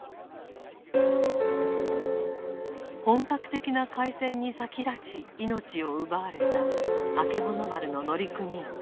本格的な海戦に先立ち命を奪われたあけぼの丸の乗組員たち。